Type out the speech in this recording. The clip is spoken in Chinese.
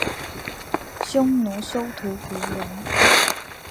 匈奴休屠胡人。